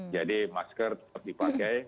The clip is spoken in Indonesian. jadi masker harus dipakai